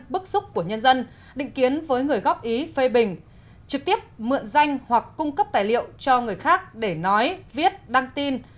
bức xúc của nhân dân định kiến với người góp ý phê bình trực tiếp mượn danh hoặc cung cấp tài liệu cho người khác để nói viết đăng tin